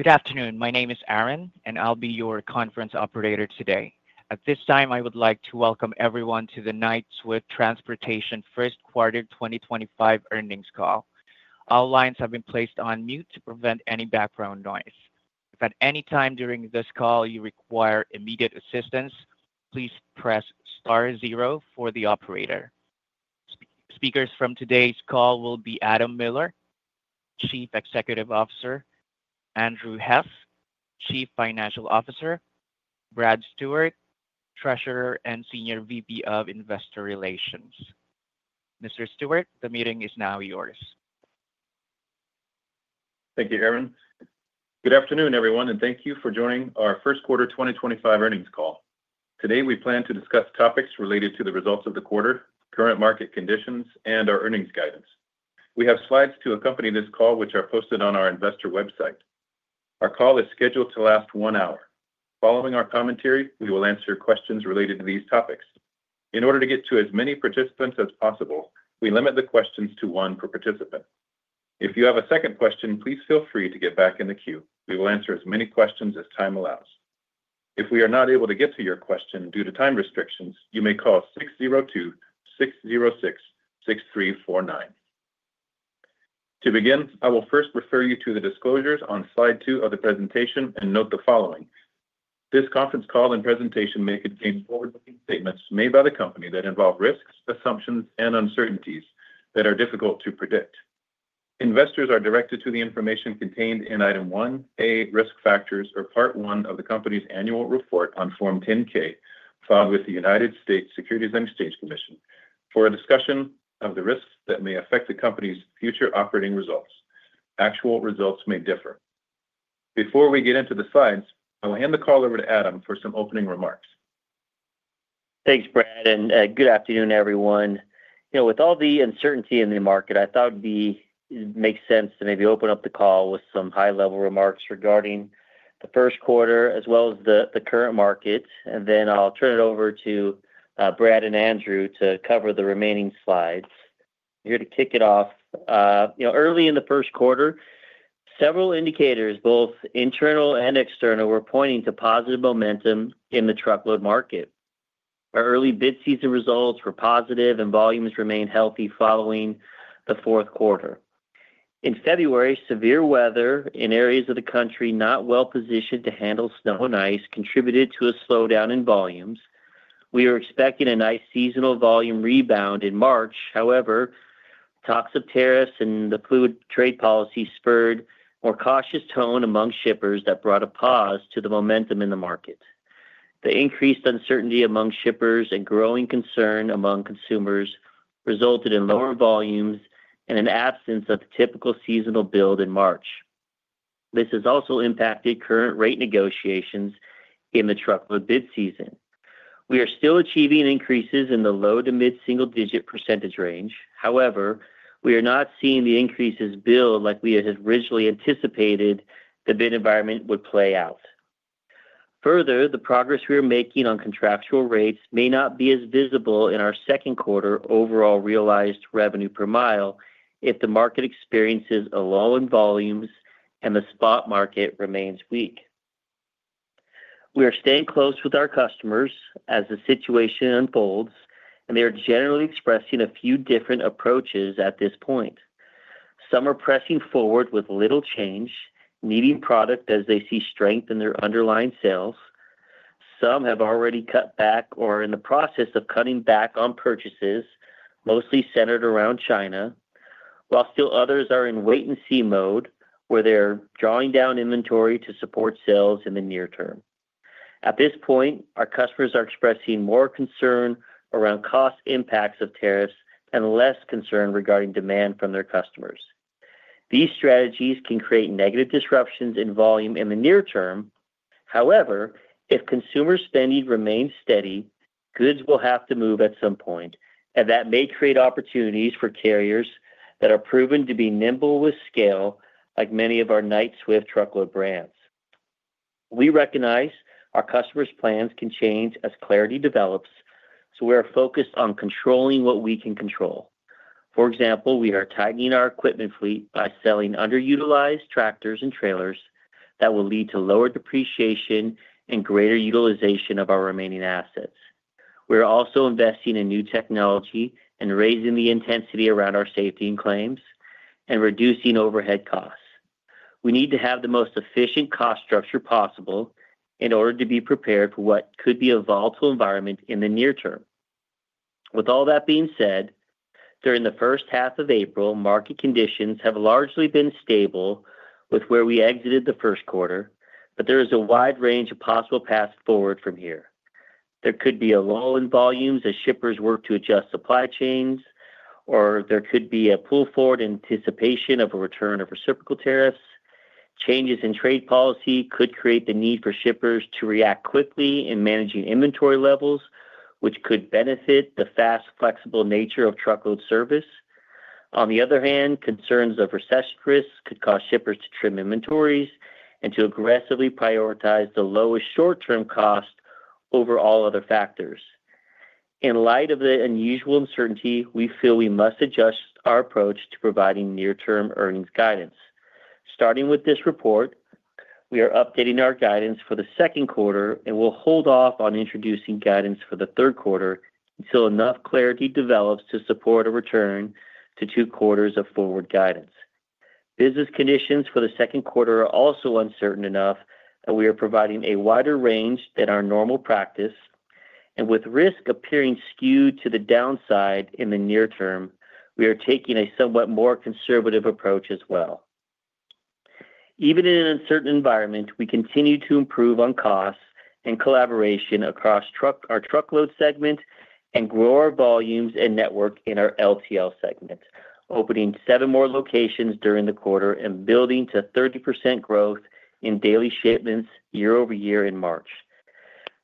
Good afternoon. My name is Aaron, and I'll be your conference operator today. At this time, I would like to welcome everyone to the Knight-Swift Transportation First Quarter 2025 earnings call. All lines have been placed on mute to prevent any background noise. If at any time during this call you require immediate assistance, please press star zero for the operator. Speakers from today's call will be Adam Miller, Chief Executive Officer; Andrew Hess, Chief Financial Officer; Brad Stewart, Treasurer and Senior VP of Investor Relations. Mr. Stewart, the meeting is now yours. Thank you, Aaron. Good afternoon, everyone, and thank you for joining our First Quarter 2025 earnings call. Today, we plan to discuss topics related to the results of the quarter, current market conditions, and our earnings guidance. We have slides to accompany this call, which are posted on our investor website. Our call is scheduled to last one hour. Following our commentary, we will answer questions related to these topics. In order to get to as many participants as possible, we limit the questions to one per participant. If you have a second question, please feel free to get back in the queue. We will answer as many questions as time allows. If we are not able to get to your question due to time restrictions, you may call 602-606-6349. To begin, I will first refer you to the disclosures on slide two of the presentation and note the following: This conference call and presentation may contain forward-looking statements made by the company that involve risks, assumptions, and uncertainties that are difficult to predict. Investors are directed to the information contained in Item 1, A, Risk Factors, or Part one of the company's annual report on Form 10-K filed with the United States Securities and Exchange Commission for a discussion of the risks that may affect the company's future operating results. Actual results may differ. Before we get into the slides, I will hand the call over to Adam for some opening remarks. Thanks, Brad, and good afternoon, everyone. You know, with all the uncertainty in the market, I thought it would make sense to maybe open up the call with some high-level remarks regarding the first quarter as well as the current market. I will turn it over to Brad and Andrew to cover the remaining slides. Here to kick it off, you know, early in the first quarter, several indicators, both internal and external, were pointing to positive momentum in the truckload market. Our early bid season results were positive, and volumes remained healthy following the fourth quarter. In February, severe weather in areas of the country not well positioned to handle snow and ice contributed to a slowdown in volumes. We were expecting a nice seasonal volume rebound in March. However, talks of tariffs and the fluid trade policy spurred a more cautious tone among shippers that brought a pause to the momentum in the market. The increased uncertainty among shippers and growing concern among consumers resulted in lower volumes and an absence of the typical seasonal build in March. This has also impacted current rate negotiations in the truckload bid season. We are still achieving increases in the low to mid-single-digit % range. However, we are not seeing the increases build like we had originally anticipated the bid environment would play out. Further, the progress we are making on contractual rates may not be as visible in our second quarter overall realized revenue per mile if the market experiences a lull in volumes and the spot market remains weak. We are staying close with our customers as the situation unfolds, and they are generally expressing a few different approaches at this point. Some are pressing forward with little change, needing product as they see strength in their underlying sales. Some have already cut back or are in the process of cutting back on purchases, mostly centered around China, while still others are in wait-and-see mode where they're drawing down inventory to support sales in the near term. At this point, our customers are expressing more concern around cost impacts of tariffs and less concern regarding demand from their customers. These strategies can create negative disruptions in volume in the near term. However, if consumer spending remains steady, goods will have to move at some point, and that may create opportunities for carriers that are proven to be nimble with scale, like many of our Knight-Swift truckload brands. We recognize our customers' plans can change as clarity develops, so we are focused on controlling what we can control. For example, we are tightening our equipment fleet by selling underutilized tractors and trailers that will lead to lower depreciation and greater utilization of our remaining assets. We are also investing in new technology and raising the intensity around our safety and claims and reducing overhead costs. We need to have the most efficient cost structure possible in order to be prepared for what could be a volatile environment in the near term. With all that being said, during the first half of April, market conditions have largely been stable with where we exited the first quarter, but there is a wide range of possible paths forward from here. There could be a lull in volumes as shippers work to adjust supply chains, or there could be a pull forward anticipation of a return of reciprocal tariffs. Changes in trade policy could create the need for shippers to react quickly in managing inventory levels, which could benefit the fast, flexible nature of truckload service. On the other hand, concerns of recession risk could cause shippers to trim inventories and to aggressively prioritize the lowest short-term cost over all other factors. In light of the unusual uncertainty, we feel we must adjust our approach to providing near-term earnings guidance. Starting with this report, we are updating our guidance for the second quarter, and we'll hold off on introducing guidance for the third quarter until enough clarity develops to support a return to two quarters of forward guidance. Business conditions for the second quarter are also uncertain enough that we are providing a wider range than our normal practice, and with risk appearing skewed to the downside in the near term, we are taking a somewhat more conservative approach as well. Even in an uncertain environment, we continue to improve on costs and collaboration across our truckload segment and grow our volumes and network in our LTL segment, opening seven more locations during the quarter and building to 30% growth in daily shipments year over year in March.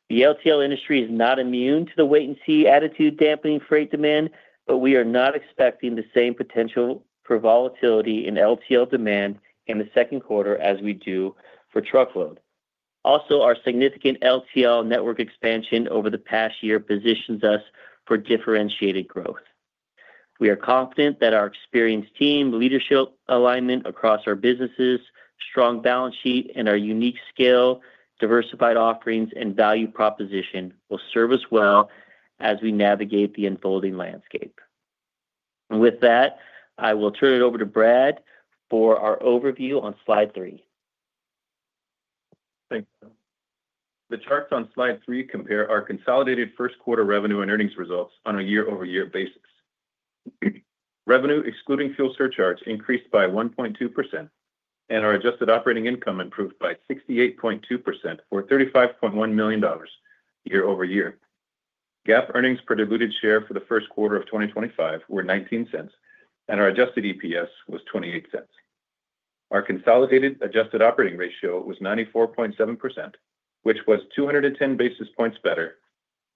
The LTL industry is not immune to the wait-and-see attitude dampening freight demand, but we are not expecting the same potential for volatility in LTL demand in the second quarter as we do for truckload. Also, our significant LTL network expansion over the past year positions us for differentiated growth. We are confident that our experienced team, leadership alignment across our businesses, strong balance sheet, and our unique scale, diversified offerings, and value proposition will serve us well as we navigate the unfolding landscape. I will turn it over to Brad for our overview on slide three. Thanks, Miller. The charts on slide three compare our consolidated first quarter revenue and earnings results on a year-over-year basis. Revenue, excluding fuel surcharge, increased by 1.2%, and our adjusted operating income improved by 68.2% for $35.1 million year-over-year. GAAP earnings per diluted share for the first quarter of 2025 were $0.19, and our adjusted EPS was $0.28. Our consolidated adjusted operating ratio was 94.7%, which was 210 basis points better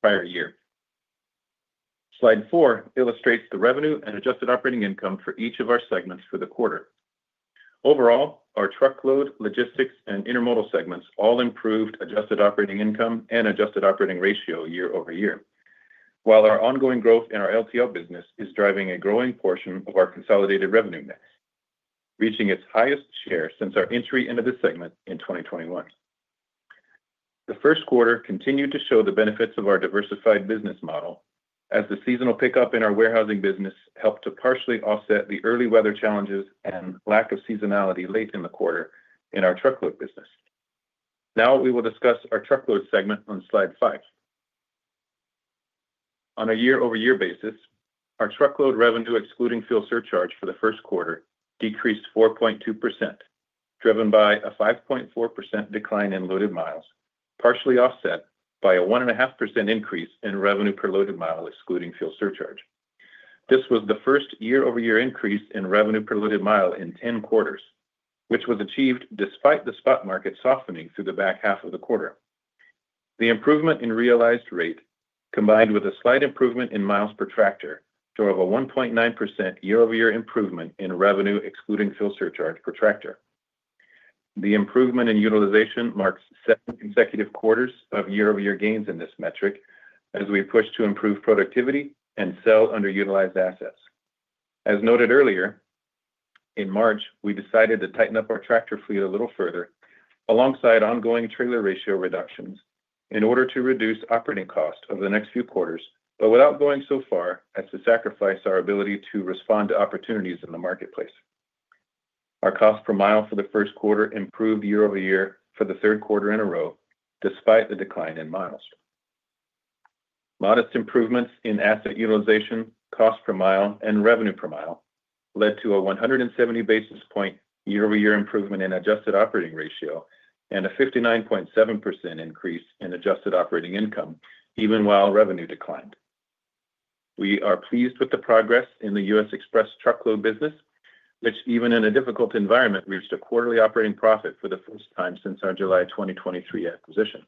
prior year. Slide four illustrates the revenue and adjusted operating income for each of our segments for the quarter. Overall, our truckload, logistics, and intermodal segments all improved adjusted operating income and adjusted operating ratio year-over-year, while our ongoing growth in our LTL business is driving a growing portion of our consolidated revenue mix, reaching its highest share since our entry into the segment in 2021. The first quarter continued to show the benefits of our diversified business model, as the seasonal pickup in our warehousing business helped to partially offset the early weather challenges and lack of seasonality late in the quarter in our truckload business. Now we will discuss our truckload segment on slide five. On a year-over-year basis, our truckload revenue, excluding fuel surcharge for the first quarter, decreased 4.2%, driven by a 5.4% decline in loaded miles, partially offset by a 1.5% increase in revenue per loaded mile excluding fuel surcharge. This was the first year-over-year increase in revenue per loaded mile in 10 quarters, which was achieved despite the spot market softening through the back half of the quarter. The improvement in realized rate, combined with a slight improvement in miles per tractor, drove a 1.9% year-over-year improvement in revenue excluding fuel surcharge per tractor. The improvement in utilization marks seven consecutive quarters of year-over-year gains in this metric as we push to improve productivity and sell underutilized assets. As noted earlier, in March, we decided to tighten up our tractor fleet a little further alongside ongoing trailer ratio reductions in order to reduce operating costs over the next few quarters, but without going so far as to sacrifice our ability to respond to opportunities in the marketplace. Our cost per mile for the first quarter improved year-over-year for the third quarter in a row, despite the decline in miles. Modest improvements in asset utilization, cost per mile, and revenue per mile led to a 170 basis point year-over-year improvement in adjusted operating ratio and a 59.7% increase in adjusted operating income, even while revenue declined. We are pleased with the progress in the U.S. Express truckload business, which, even in a difficult environment, reached a quarterly operating profit for the first time since our July 2023 acquisition.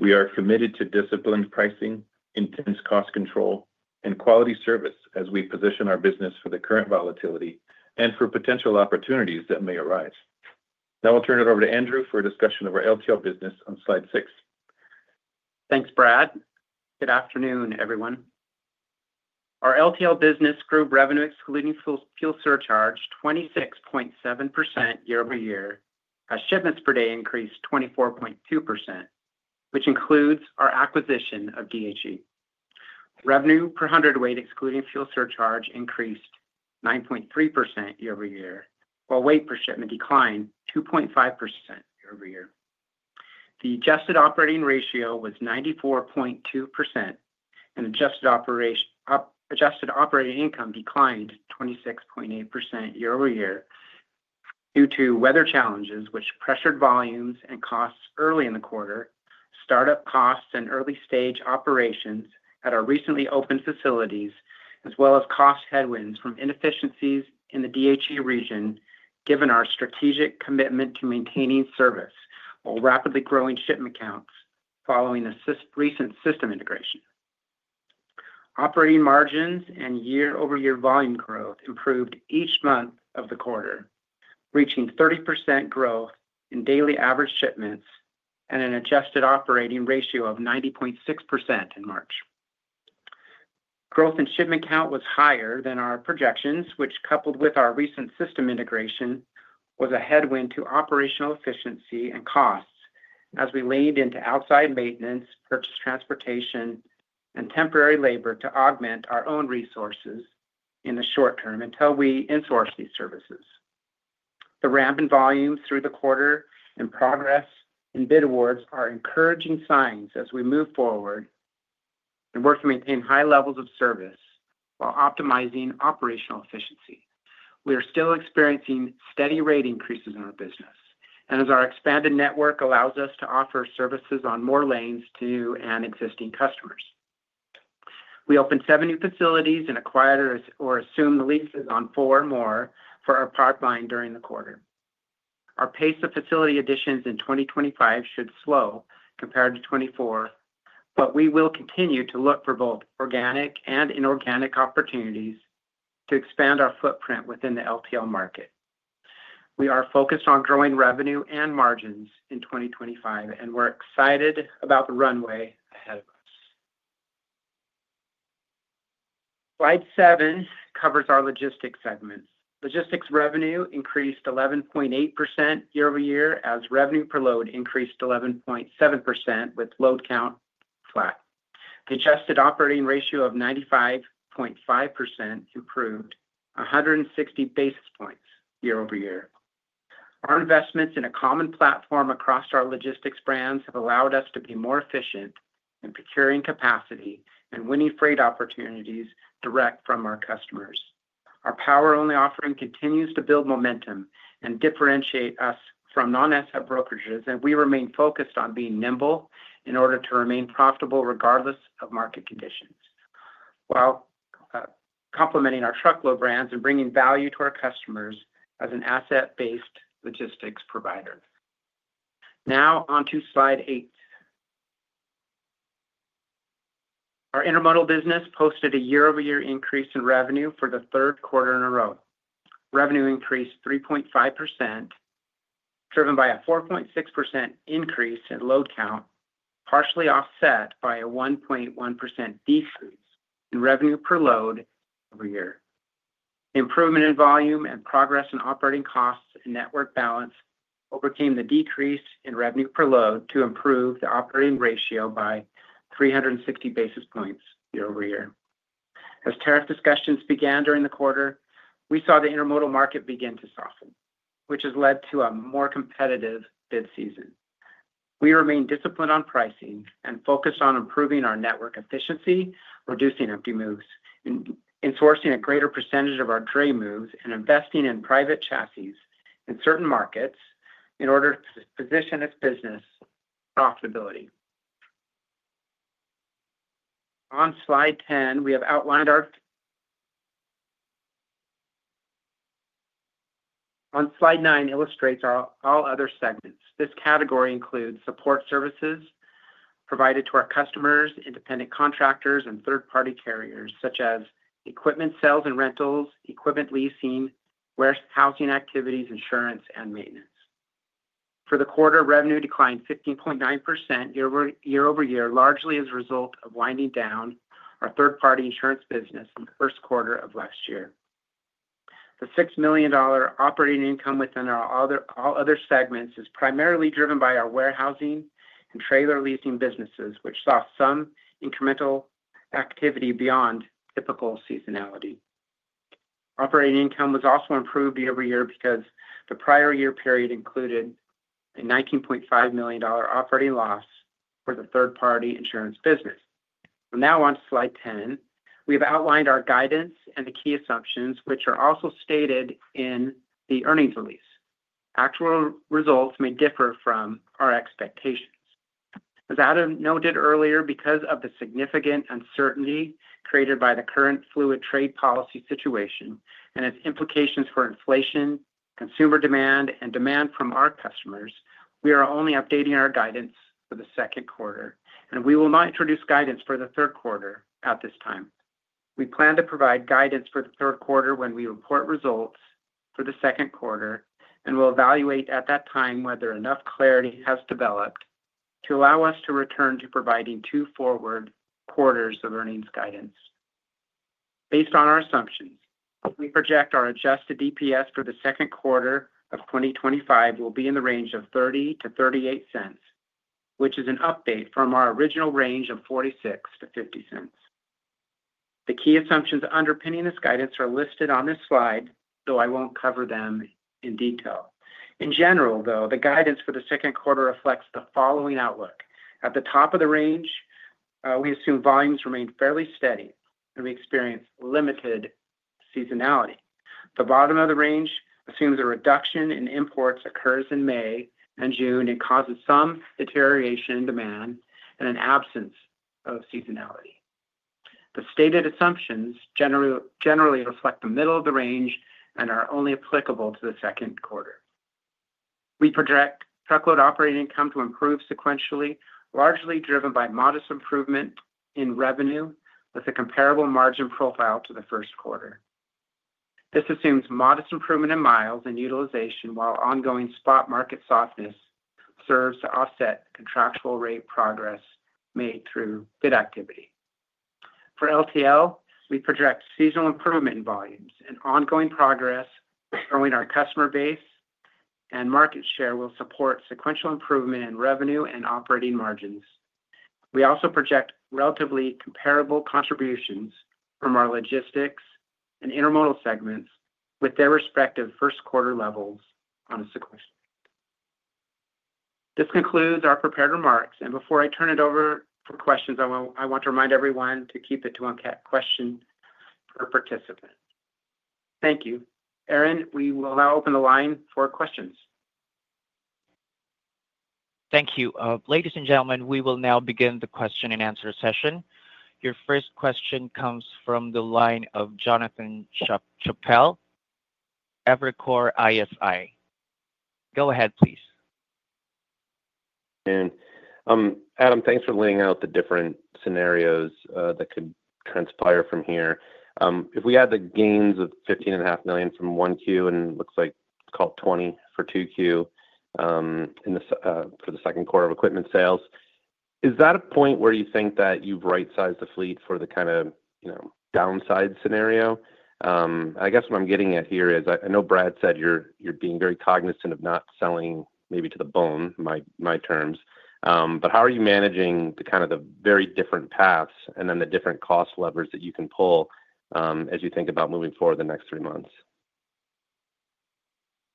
We are committed to disciplined pricing, intense cost control, and quality service as we position our business for the current volatility and for potential opportunities that may arise. Now I'll turn it over to Andrew for a discussion of our LTL business on slide six. Thanks, Brad. Good afternoon, everyone. Our LTL business grew revenue excluding fuel surcharge 26.7% year-over-year. Our shipments per day increased 24.2%, which includes our acquisition of DHE. Revenue per hundred weight excluding fuel surcharge increased 9.3% year-over-year, while weight per shipment declined 2.5% year-over-year. The adjusted operating ratio was 94.2%, and adjusted operating income declined 26.8% year-over-year due to weather challenges, which pressured volumes and costs early in the quarter, startup costs and early-stage operations at our recently opened facilities, as well as cost headwinds from inefficiencies in the DHE region, given our strategic commitment to maintaining service while rapidly growing shipment counts following a recent system integration. Operating margins and year-over-year volume growth improved each month of the quarter, reaching 30% growth in daily average shipments and an adjusted operating ratio of 90.6% in March. Growth in shipment count was higher than our projections, which, coupled with our recent system integration, was a headwind to operational efficiency and costs as we leaned into outside maintenance, purchased transportation, and temporary labor to augment our own resources in the short term until we insource these services. The ramp in volume through the quarter and progress in bid awards are encouraging signs as we move forward and work to maintain high levels of service while optimizing operational efficiency. We are still experiencing steady rate increases in our business, and as our expanded network allows us to offer services on more lanes to new and existing customers. We opened seven new facilities and acquired or assumed leases on four more for our pipeline during the quarter. Our pace of facility additions in 2025 should slow compared to 2024, but we will continue to look for both organic and inorganic opportunities to expand our footprint within the LTL market. We are focused on growing revenue and margins in 2025, and we're excited about the runway ahead of us. Slide seven covers our logistics segments. Logistics revenue increased 11.8% year-over-year as revenue per load increased 11.7% with load count flat. The adjusted operating ratio of 95.5% improved 160 basis points year-over-year. Our investments in a common platform across our logistics brands have allowed us to be more efficient in procuring capacity and winning freight opportunities direct from our customers. Our power-only offering continues to build momentum and differentiate us from non-asset brokerages, and we remain focused on being nimble in order to remain profitable regardless of market conditions, while complementing our truckload brands and bringing value to our customers as an asset-based logistics provider. Now on to slide eight. Our intermodal business posted a year-over-year increase in revenue for the third quarter in a row. Revenue increased 3.5%, driven by a 4.6% increase in load count, partially offset by a 1.1% decrease in revenue per load every year. Improvement in volume and progress in operating costs and network balance overcame the decrease in revenue per load to improve the operating ratio by 360 basis points year-over-year. As tariff discussions began during the quarter, we saw the intermodal market begin to soften, which has led to a more competitive bid season. We remain disciplined on pricing and focused on improving our network efficiency, reducing empty moves, insourcing a greater percentage of our trade moves, and investing in private chassis in certain markets in order to position its business profitability. On slide 10, we have outlined our—on slide nine illustrates all other segments. This category includes support services provided to our customers, independent contractors, and third-party carriers, such as equipment sales and rentals, equipment leasing, warehousing activities, insurance, and maintenance. For the quarter, revenue declined 15.9% year-over-year, largely as a result of winding down our third-party insurance business in the first quarter of last year. The $6 million operating income within all other segments is primarily driven by our warehousing and trailer leasing businesses, which saw some incremental activity beyond typical seasonality. Operating income was also improved year-over-year because the prior year period included a $19.5 million operating loss for the third-party insurance business. Now on to slide 10, we have outlined our guidance and the key assumptions, which are also stated in the earnings release. Actual results may differ from our expectations. As Adam noted earlier, because of the significant uncertainty created by the current fluid trade policy situation and its implications for inflation, consumer demand, and demand from our customers, we are only updating our guidance for the second quarter, and we will not introduce guidance for the third quarter at this time. We plan to provide guidance for the third quarter when we report results for the second quarter, and we'll evaluate at that time whether enough clarity has developed to allow us to return to providing two forward quarters of earnings guidance. Based on our assumptions, we project our adjusted EPS for the second quarter of 2025 will be in the range of $0.30-$0.38, which is an update from our original range of $0.46-$0.50. The key assumptions underpinning this guidance are listed on this slide, though I won't cover them in detail. In general, though, the guidance for the second quarter reflects the following outlook. At the top of the range, we assume volumes remain fairly steady, and we experience limited seasonality. The bottom of the range assumes a reduction in imports occurs in May and June and causes some deterioration in demand and an absence of seasonality. The stated assumptions generally reflect the middle of the range and are only applicable to the second quarter. We project truckload operating income to improve sequentially, largely driven by modest improvement in revenue with a comparable margin profile to the first quarter. This assumes modest improvement in miles and utilization, while ongoing spot market softness serves to offset contractual rate progress made through bid activity. For LTL, we project seasonal improvement in volumes and ongoing progress growing our customer base and market share will support sequential improvement in revenue and operating margins. We also project relatively comparable contributions from our logistics and intermodal segments with their respective first quarter levels on a sequential basis. This concludes our prepared remarks, and before I turn it over for questions, I want to remind everyone to keep it to one question per participant. Thank you. Erin, we will now open the line for questions. Thank you. Ladies and gentlemen, we will now begin the question and answer session. Your first question comes from the line of Jonathan Chappell, Evercore ISI. Go ahead, please. Adam, thanks for laying out the different scenarios that could transpire from here. If we add the gains of $15.5 million from Q1 and it looks like, call it $20 million for Q2 for the second quarter of equipment sales, is that a point where you think that you've right-sized the fleet for the kind of downside scenario? I guess what I'm getting at here is I know Brad said you're being very cognizant of not selling maybe to the bone, my terms, but how are you managing the kind of the very different paths and then the different cost levers that you can pull as you think about moving forward the next three months?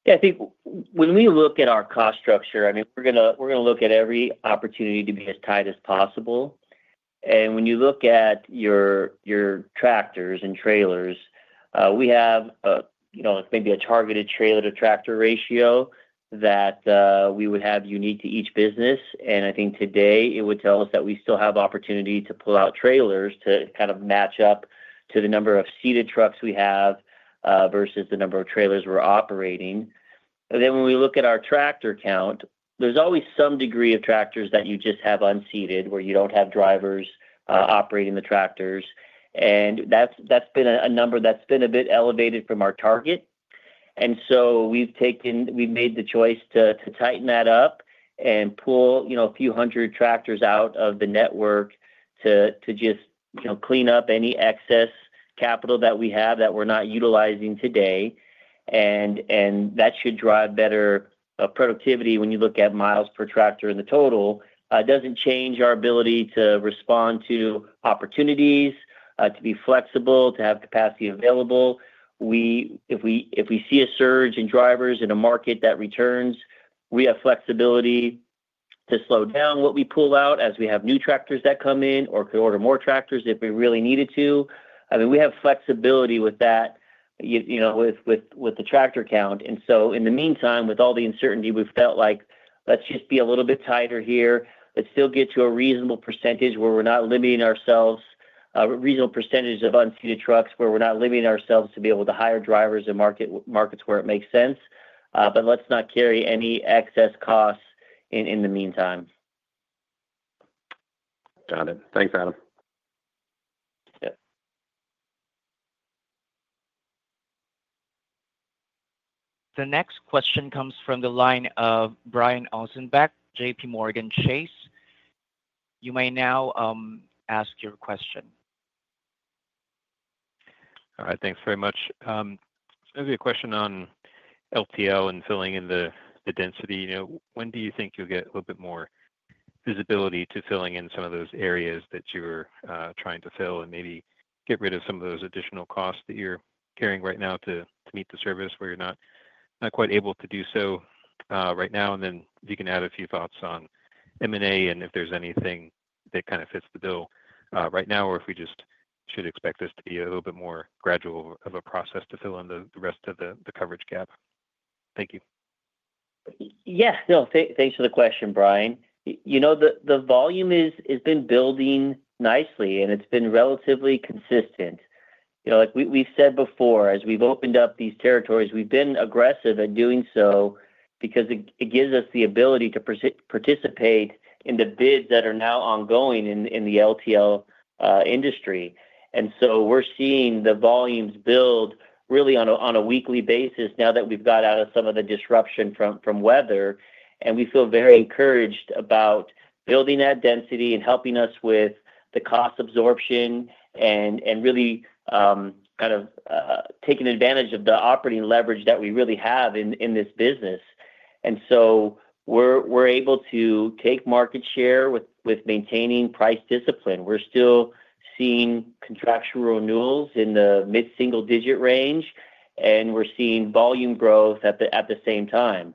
Yeah, I think when we look at our cost structure, I mean, we're going to look at every opportunity to be as tight as possible. When you look at your tractors and trailers, we have maybe a targeted trailer to tractor ratio that we would have unique to each business. I think today it would tell us that we still have opportunity to pull out trailers to kind of match up to the number of seated trucks we have versus the number of trailers we're operating. When we look at our tractor count, there's always some degree of tractors that you just have unseated where you don't have drivers operating the tractors. That's been a number that's been a bit elevated from our target. We have made the choice to tighten that up and pull a few hundred tractors out of the network to just clean up any excess capital that we have that we are not utilizing today. That should drive better productivity when you look at miles per tractor in the total. It does not change our ability to respond to opportunities, to be flexible, to have capacity available. If we see a surge in drivers in a market that returns, we have flexibility to slow down what we pull out as we have new tractors that come in or could order more tractors if we really needed to. I mean, we have flexibility with that with the tractor count. In the meantime, with all the uncertainty, we have felt like let's just be a little bit tighter here. Let's still get to a reasonable percentage where we're not limiting ourselves, a reasonable percentage of unseated trucks where we're not limiting ourselves to be able to hire drivers in markets where it makes sense, but let's not carry any excess costs in the meantime. Got it. Thanks, Adam. Yeah. The next question comes from the line of Brian O'Neil, J.P. Morgan Chase. You may now ask your question. All right. Thanks very much. Maybe a question on LTL and filling in the density. When do you think you'll get a little bit more visibility to filling in some of those areas that you're trying to fill and maybe get rid of some of those additional costs that you're carrying right now to meet the service where you're not quite able to do so right now? If you can add a few thoughts on M&A and if there's anything that kind of fits the bill right now, or if we just should expect this to be a little bit more gradual of a process to fill in the rest of the coverage gap. Thank you. Yeah. No, thanks for the question, Brian. You know the volume has been building nicely, and it's been relatively consistent. Like we've said before, as we've opened up these territories, we've been aggressive at doing so because it gives us the ability to participate in the bids that are now ongoing in the LTL industry. We are seeing the volumes build really on a weekly basis now that we've got out of some of the disruption from weather. We feel very encouraged about building that density and helping us with the cost absorption and really kind of taking advantage of the operating leverage that we really have in this business. We are able to take market share with maintaining price discipline. We're still seeing contractual renewals in the mid-single-digit range, and we're seeing volume growth at the same time.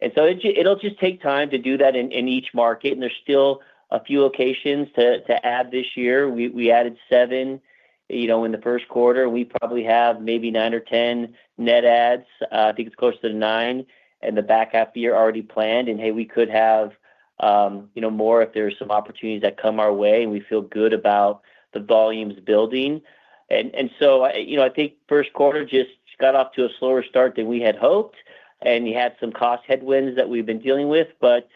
It will just take time to do that in each market. There are still a few locations to add this year. We added seven in the first quarter. We probably have maybe nine or ten net adds. I think it is closer to nine in the back half of the year already planned. We could have more if there are some opportunities that come our way, and we feel good about the volumes building. I think first quarter just got off to a slower start than we had hoped, and you had some cost headwinds that we have been dealing with, but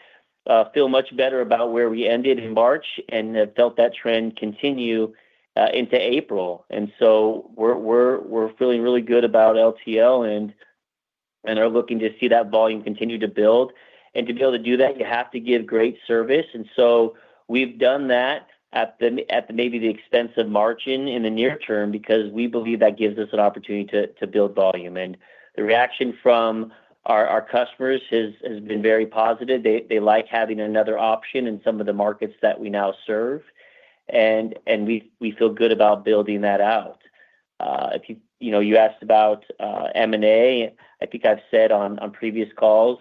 feel much better about where we ended in March and have felt that trend continue into April. We are feeling really good about LTL and are looking to see that volume continue to build. To be able to do that, you have to give great service. We have done that at maybe the expense of margin in the near term because we believe that gives us an opportunity to build volume. The reaction from our customers has been very positive. They like having another option in some of the markets that we now serve, and we feel good about building that out. You asked about M&A. I think I have said on previous calls,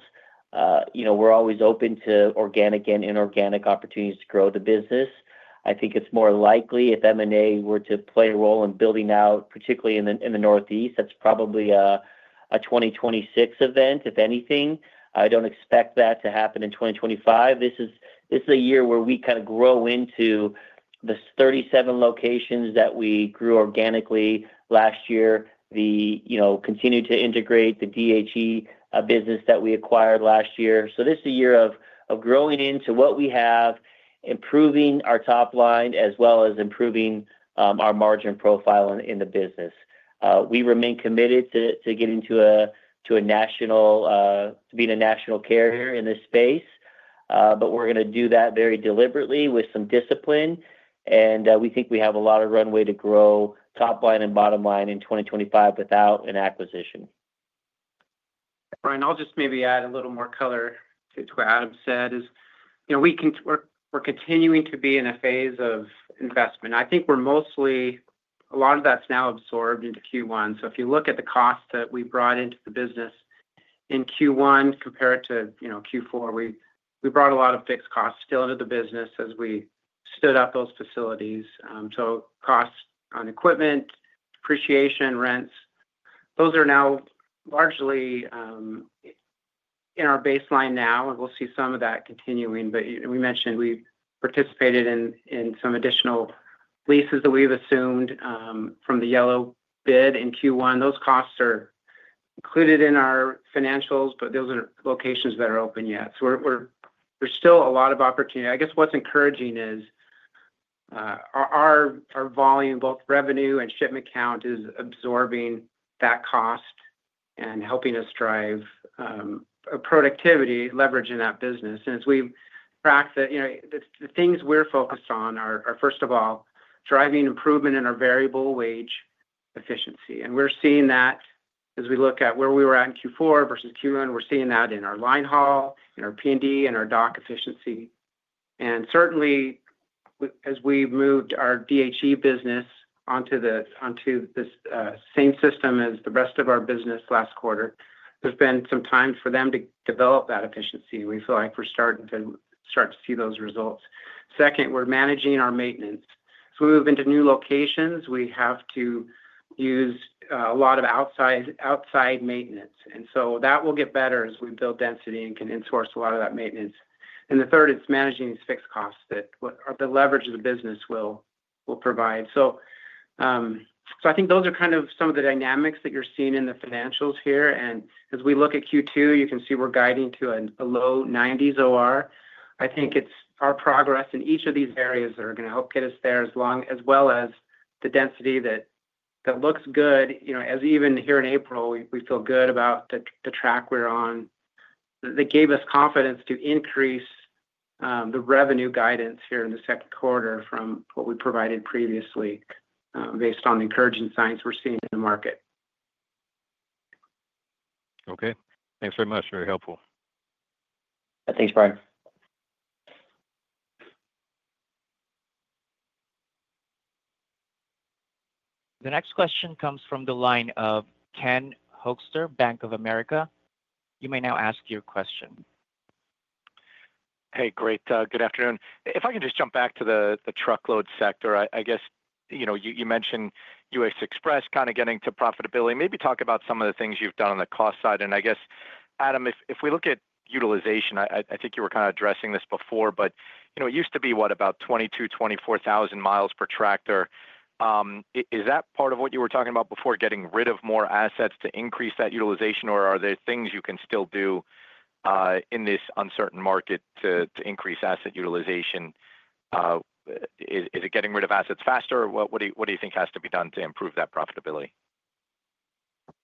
we are always open to organic and inorganic opportunities to grow the business. I think it is more likely if M&A were to play a role in building out, particularly in the Northeast, that is probably a 2026 event, if anything. I do not expect that to happen in 2025. This is a year where we kind of grow into the 37 locations that we grew organically last year, continued to integrate the DHE business that we acquired last year. This is a year of growing into what we have, improving our top line, as well as improving our margin profile in the business. We remain committed to getting to a national, to being a national carrier in this space, but we're going to do that very deliberately with some discipline. We think we have a lot of runway to grow top line and bottom line in 2025 without an acquisition. Brian, I'll just maybe add a little more color to what Adam said is we're continuing to be in a phase of investment. I think we're mostly, a lot of that's now absorbed into Q1. If you look at the cost that we brought into the business in Q1 compared to Q4, we brought a lot of fixed costs still into the business as we stood up those facilities. Costs on equipment, depreciation, rents, those are now largely in our baseline now, and we'll see some of that continuing. We mentioned we participated in some additional leases that we've assumed from the Yellow bid in Q1. Those costs are included in our financials, but those are locations that are open yet. There's still a lot of opportunity. I guess what's encouraging is our volume, both revenue and shipment count, is absorbing that cost and helping us drive productivity, leveraging that business. As we've tracked, the things we're focused on are, first of all, driving improvement in our variable wage efficiency. We're seeing that as we look at where we were at in Q4 versus Q1. We're seeing that in our linehaul, in our P&D, and our dock efficiency. Certainly, as we moved our DHE business onto the same system as the rest of our business last quarter, there's been some time for them to develop that efficiency. We feel like we're starting to see those results. Second, we're managing our maintenance. As we move into new locations, we have to use a lot of outside maintenance. That will get better as we build density and can insource a lot of that maintenance. The third is managing these fixed costs that the leverage of the business will provide. I think those are kind of some of the dynamics that you're seeing in the financials here. As we look at Q2, you can see we're guiding to a low 90s OR. I think it's our progress in each of these areas that are going to help get us there as well as the density that looks good. Even here in April, we feel good about the track we're on. They gave us confidence to increase the revenue guidance here in the second quarter from what we provided previously based on the encouraging signs we're seeing in the market. Okay. Thanks very much. Very helpful. Thanks, Brian. The next question comes from the line of Ken Hoexter, Bank of America. You may now ask your question. Hey, great. Good afternoon. If I can just jump back to the truckload sector, I guess you mentioned U.S. Xpress kind of getting to profitability. Maybe talk about some of the things you've done on the cost side. I guess, Adam, if we look at utilization, I think you were kind of addressing this before, but it used to be what, about 22,000-24,000 miles per tractor. Is that part of what you were talking about before getting rid of more assets to increase that utilization, or are there things you can still do in this uncertain market to increase asset utilization? Is it getting rid of assets faster? What do you think has to be done to improve that profitability?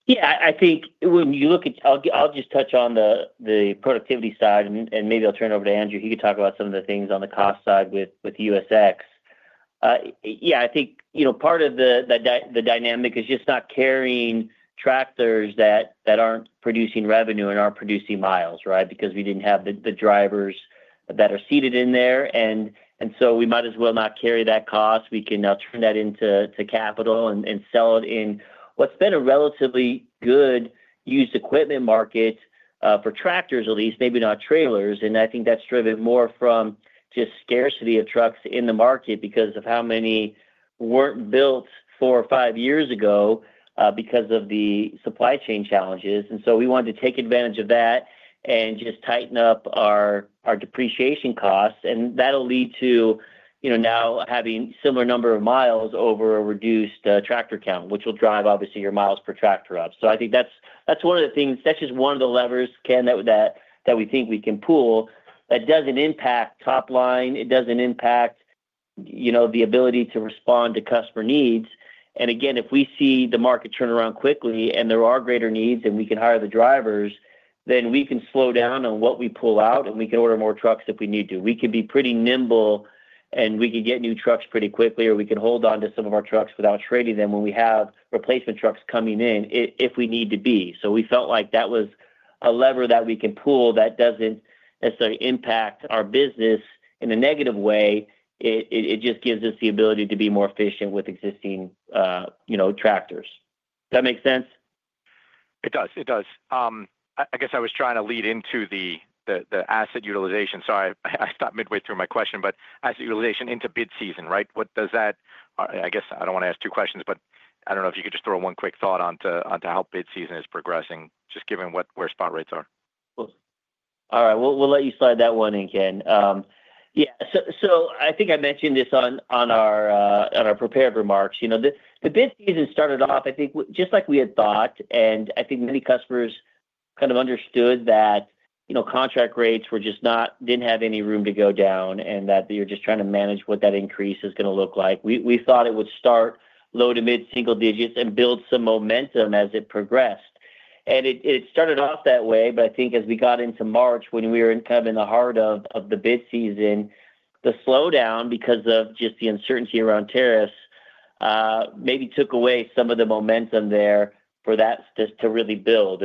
Yeah. I think when you look at, I'll just touch on the productivity side, and maybe I'll turn it over to Andrew. He could talk about some of the things on the cost side with USX. I think part of the dynamic is just not carrying tractors that aren't producing revenue and aren't producing miles, right, because we didn't have the drivers that are seated in there. We might as well not carry that cost. We can now turn that into capital and sell it in what's been a relatively good used equipment market for tractors, at least, maybe not trailers. I think that's driven more from just scarcity of trucks in the market because of how many weren't built four or five years ago because of the supply chain challenges. We wanted to take advantage of that and just tighten up our depreciation costs. That will lead to now having a similar number of miles over a reduced tractor count, which will drive, obviously, your miles per tractor up. I think that's one of the things, that's just one of the levers, Ken, that we think we can pull that does not impact top line. It does not impact the ability to respond to customer needs. Again, if we see the market turn around quickly and there are greater needs and we can hire the drivers, then we can slow down on what we pull out, and we can order more trucks if we need to. We can be pretty nimble, and we can get new trucks pretty quickly, or we can hold on to some of our trucks without trading them when we have replacement trucks coming in if we need to be. We felt like that was a lever that we can pull that does not necessarily impact our business in a negative way. It just gives us the ability to be more efficient with existing tractors. Does that make sense? It does. It does. I guess I was trying to lead into the asset utilization. Sorry, I stopped midway through my question, but asset utilization into bid season, right? What does that? I guess I do not want to ask two questions, but I do not know if you could just throw one quick thought onto how bid season is progressing, just given where spot rates are. All right. We'll let you slide that one in, Ken. Yeah. I think I mentioned this on our prepared remarks. The bid season started off, I think, just like we had thought. I think many customers kind of understood that contract rates did not have any room to go down and that you are just trying to manage what that increase is going to look like. We thought it would start low to mid-single digits and build some momentum as it progressed. It started off that way, but I think as we got into March, when we were kind of in the heart of the bid season, the slowdown because of just the uncertainty around tariffs maybe took away some of the momentum there for that to really build.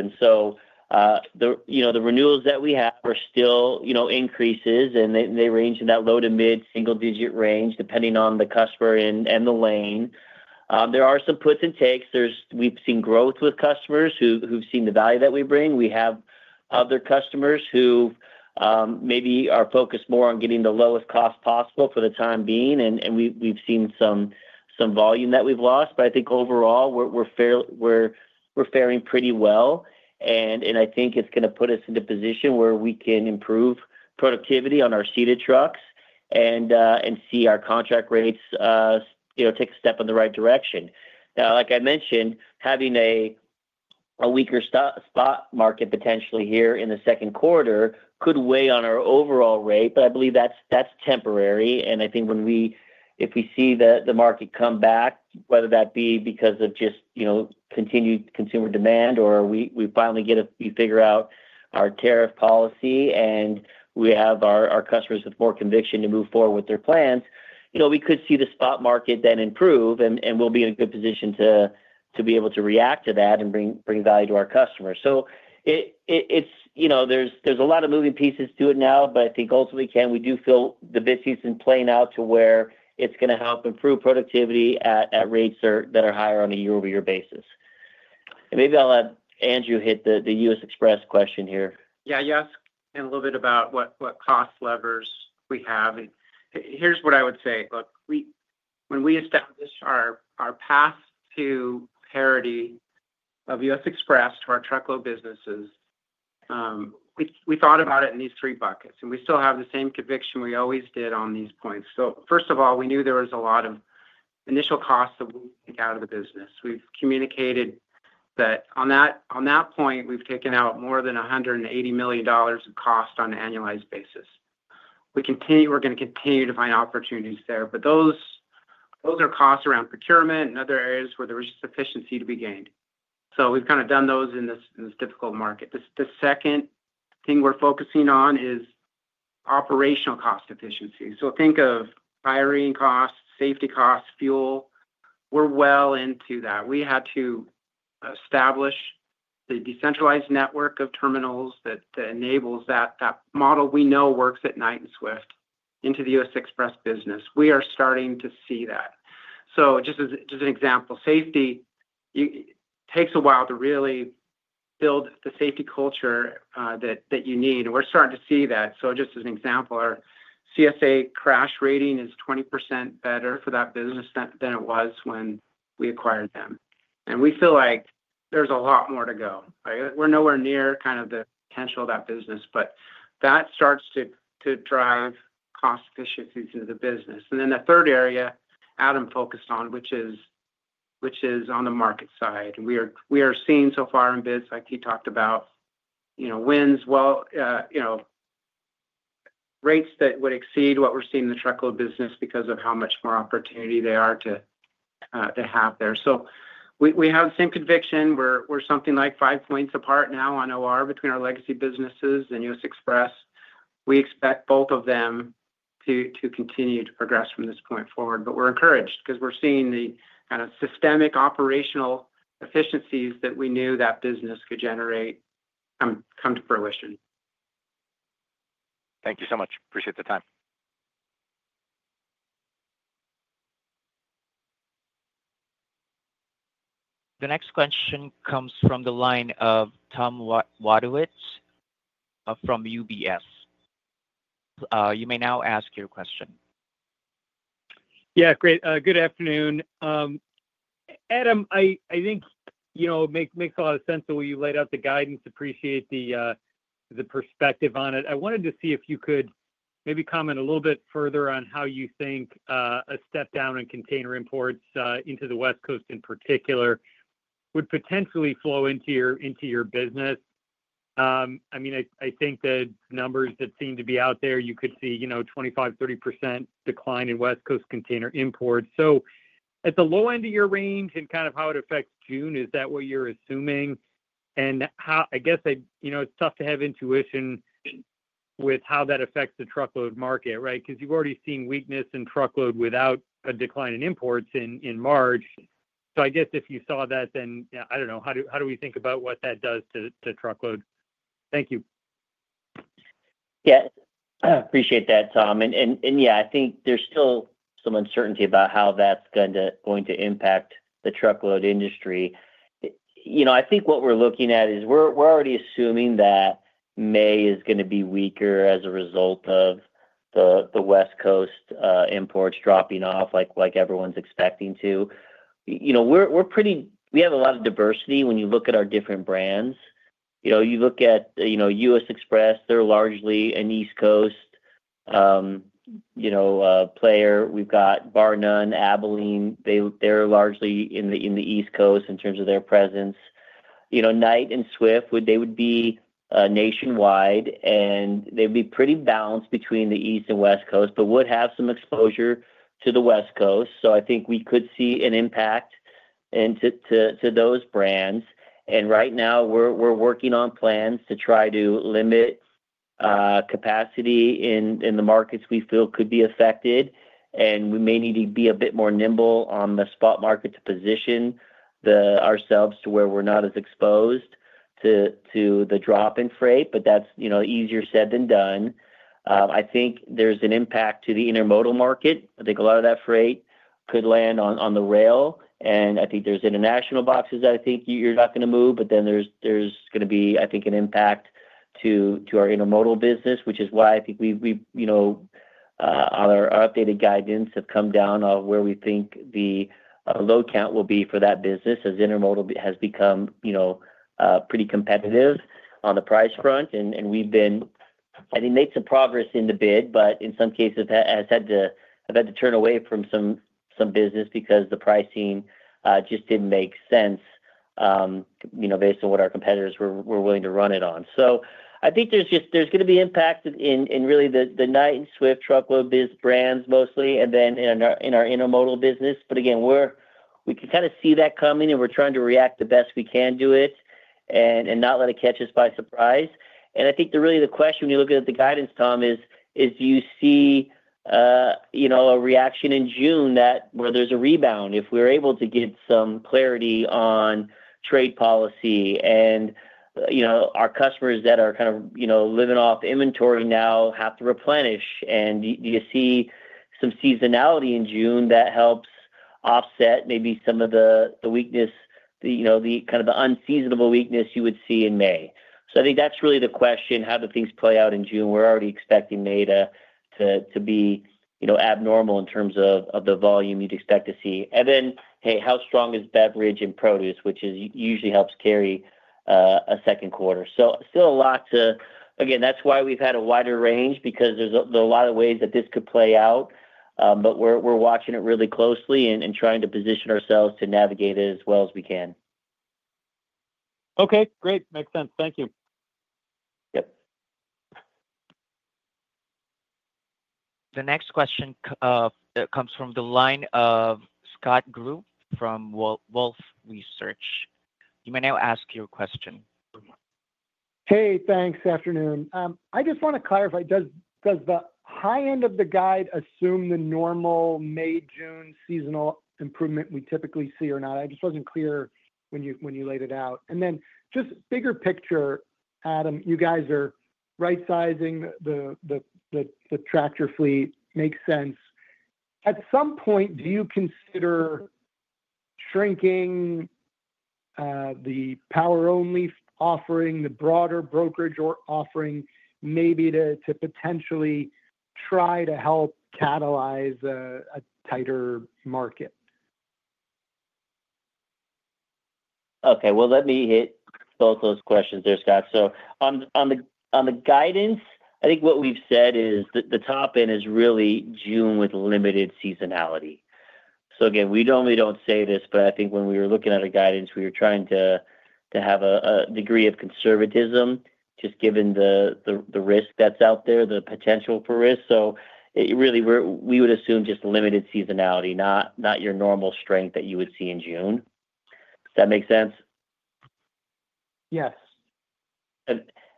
The renewals that we have are still increases, and they range in that low to mid-single digit range depending on the customer and the lane. There are some puts and takes. We have seen growth with customers who have seen the value that we bring. We have other customers who maybe are focused more on getting the lowest cost possible for the time being. We have seen some volume that we have lost. I think overall, we are faring pretty well. I think it is going to put us in a position where we can improve productivity on our seated trucks and see our contract rates take a step in the right direction. Like I mentioned, having a weaker spot market potentially here in the second quarter could weigh on our overall rate, but I believe that is temporary. I think if we see the market come back, whether that be because of just continued consumer demand or we finally get to figure out our tariff policy and we have our customers with more conviction to move forward with their plans, we could see the spot market then improve, and we'll be in a good position to be able to react to that and bring value to our customers. There are a lot of moving pieces to it now, but I think ultimately, Ken, we do feel the bid season playing out to where it's going to help improve productivity at rates that are higher on a year-over-year basis. Maybe I'll let Andrew hit the U.S. Xpress question here. Yeah. You asked a little bit about what cost levers we have. Here's what I would say. Look, when we established our path to parity of U.S. Xpress to our truckload businesses, we thought about it in these three buckets. We still have the same conviction we always did on these points. First of all, we knew there was a lot of initial costs that we'll take out of the business. We've communicated that on that point, we've taken out more than $180 million of cost on an annualized basis. We're going to continue to find opportunities there. Those are costs around procurement and other areas where there was just efficiency to be gained. We've kind of done those in this difficult market. The second thing we're focusing on is operational cost efficiency. Think of firing costs, safety costs, fuel. We're well into that. We had to establish the decentralized network of terminals that enables that model we know works at Knight and Swift into the U.S. Xpress business. We are starting to see that. Just as an example, safety takes a while to really build the safety culture that you need. We are starting to see that. Just as an example, our CSA crash rating is 20% better for that business than it was when we acquired them. We feel like there is a lot more to go. We are nowhere near kind of the potential of that business, but that starts to drive cost efficiencies into the business. The third area Adam focused on, which is on the market side. We are seeing so far in bids, like he talked about, wins, rates that would exceed what we're seeing in the truckload business because of how much more opportunity they are to have there. We have the same conviction. We're something like five percentage points apart now on operating ratio between our legacy businesses and U.S. Xpress. We expect both of them to continue to progress from this point forward. We are encouraged because we are seeing the kind of systemic operational efficiencies that we knew that business could generate come to fruition. Thank you so much. Appreciate the time. The next question comes from the line of Tom Wetherbee from UBS. You may now ask your question. Yeah. Great. Good afternoon. Adam, I think it makes a lot of sense the way you laid out the guidance. Appreciate the perspective on it. I wanted to see if you could maybe comment a little bit further on how you think a step down in container imports into the West Coast in particular would potentially flow into your business. I mean, I think the numbers that seem to be out there, you could see 25-30% decline in West Coast container imports. At the low end of your range and kind of how it affects June, is that what you're assuming? I guess it's tough to have intuition with how that affects the truckload market, right? Because you've already seen weakness in truckload without a decline in imports in March. If you saw that, then I don't know. How do we think about what that does to truckload? Thank you. Yeah. I appreciate that, Tom. Yeah, I think there's still some uncertainty about how that's going to impact the truckload industry. I think what we're looking at is we're already assuming that May is going to be weaker as a result of the West Coast imports dropping off like everyone's expecting to. We have a lot of diversity when you look at our different brands. You look at U.S. Xpress, they're largely an East Coast player. We've got Barnum, Abilene. They're largely in the East Coast in terms of their presence. Knight and Swift, they would be nationwide, and they'd be pretty balanced between the East and West Coast, but would have some exposure to the West Coast. I think we could see an impact to those brands. Right now, we're working on plans to try to limit capacity in the markets we feel could be affected. We may need to be a bit more nimble on the spot market to position ourselves to where we're not as exposed to the drop in freight, but that's easier said than done. I think there's an impact to the intermodal market. I think a lot of that freight could land on the rail. I think there's international boxes that you're not going to move, but then there's going to be, I think, an impact to our intermodal business, which is why I think our updated guidance has come down on where we think the load count will be for that business as intermodal has become pretty competitive on the price front. We have made some progress in the bid, but in some cases, have had to turn away from some business because the pricing just did not make sense based on what our competitors were willing to run it on. There is going to be impact in really the Knight and Swift truckload brands mostly, and then in our intermodal business. We can kind of see that coming, and we are trying to react the best we can to it and not let it catch us by surprise. The question when you look at the guidance, Tom, is do you see a reaction in June where there is a rebound if we are able to get some clarity on trade policy? Our customers that are kind of living off inventory now have to replenish. Do you see some seasonality in June that helps offset maybe some of the weakness, the kind of the unseasonable weakness you would see in May? I think that's really the question, how do things play out in June? We're already expecting May to be abnormal in terms of the volume you'd expect to see. Hey, how strong is beverage and produce, which usually helps carry a second quarter? Still a lot to, again, that's why we've had a wider range because there's a lot of ways that this could play out, but we're watching it really closely and trying to position ourselves to navigate it as well as we can. Okay. Great. Makes sense. Thank you. Yep. The next question comes from the line of Scott Group from Wolfe Research. You may now ask your question. Hey, thanks. Afternoon. I just want to clarify. Does the high end of the guide assume the normal May, June seasonal improvement we typically see or not? I just wasn't clear when you laid it out. Just bigger picture, Adam, you guys are right-sizing the tractor fleet. Makes sense. At some point, do you consider shrinking the power-only offering, the broader brokerage offering maybe to potentially try to help catalyze a tighter market? Okay. Let me hit both those questions there, Scott. On the guidance, I think what we've said is the top end is really June with limited seasonality. Again, we normally do not say this, but I think when we were looking at our guidance, we were trying to have a degree of conservatism just given the risk that is out there, the potential for risk. We would assume just limited seasonality, not your normal strength that you would see in June. Does that make sense? Yes.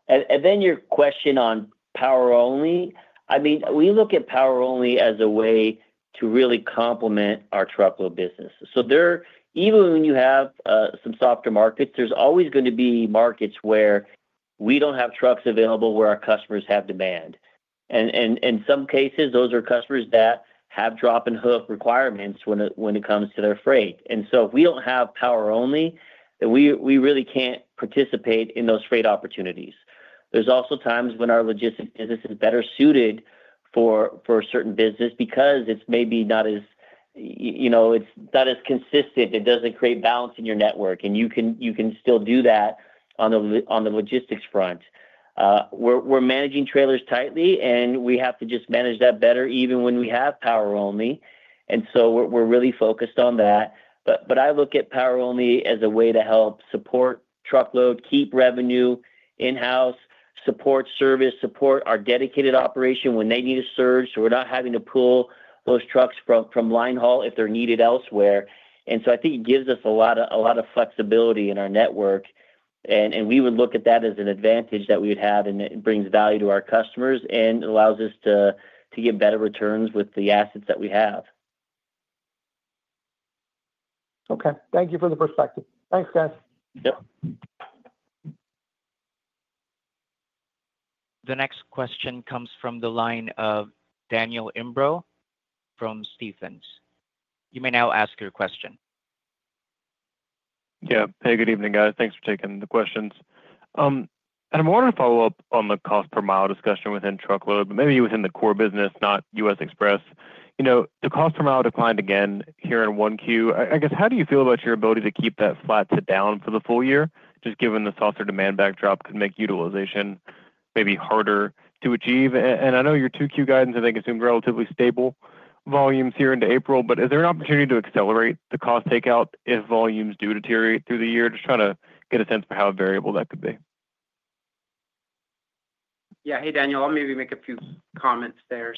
Your question on power-only, I mean, we look at power-only as a way to really complement our truckload business. Even when you have some softer markets, there is always going to be markets where we do not have trucks available where our customers have demand. In some cases, those are customers that have drop-and-hook requirements when it comes to their freight. If we do not have power-only, we really cannot participate in those freight opportunities. There are also times when our logistics business is better suited for a certain business because it is maybe not as consistent. It does not create balance in your network, and you can still do that on the logistics front. We are managing trailers tightly, and we have to just manage that better even when we have power-only. We are really focused on that. I look at power-only as a way to help support truckload, keep revenue in-house, support service, support our dedicated operation when they need a surge. We are not having to pull those trucks from line haul if they are needed elsewhere. I think it gives us a lot of flexibility in our network. We would look at that as an advantage that we would have, and it brings value to our customers and allows us to get better returns with the assets that we have. Okay. Thank you for the perspective. Thanks, guys. Yep. The next question comes from the line of Daniel Imbro from Stephens. You may now ask your question. Yeah. Hey, good evening, guys. Thanks for taking the questions. I'm wanting to follow up on the cost per mile discussion within truckload, but maybe within the core business, not U.S. Xpress. The cost per mile declined again here in Q1. I guess, how do you feel about your ability to keep that flat to down for the full year, just given the softer demand backdrop could make utilization maybe harder to achieve? I know your Q2 guidance, I think, assumed relatively stable volumes here into April, but is there an opportunity to accelerate the cost takeout if volumes do deteriorate through the year? Just trying to get a sense for how variable that could be. Yeah. Hey, Daniel. I'll maybe make a few comments there.